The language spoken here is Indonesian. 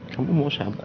kamu mau sabar